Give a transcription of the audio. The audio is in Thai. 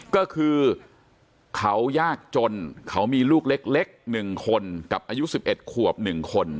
ก็คือเขายากจนเขามีลูกเล็กเล็กหนึ่งคนกับอายุสิบเอ็ดขวบหนึ่งคน